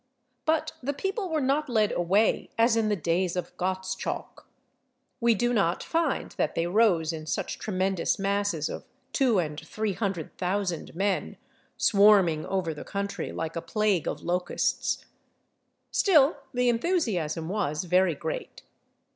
But the people were not led away as in the days of Gottschalk. We do not find that they rose in such tremendous masses of two and three hundred thousand men, swarming over the country like a plague of locusts. Still the enthusiasm was very great.